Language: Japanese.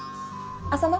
浅野。